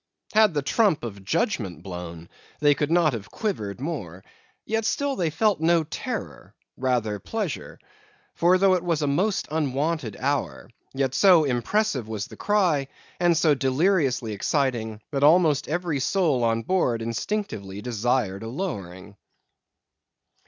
Had the trump of judgment blown, they could not have quivered more; yet still they felt no terror; rather pleasure. For though it was a most unwonted hour, yet so impressive was the cry, and so deliriously exciting, that almost every soul on board instinctively desired a lowering.